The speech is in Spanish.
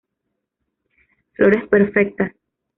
Flores perfectas.